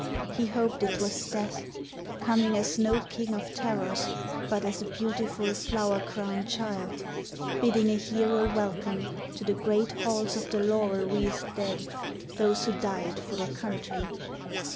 He hoped it was death, coming as no king of terrors, but as a beautiful flower crowned child, Bidding a hero welcome to the great halls of the laurel wreathed dead those who died for their country.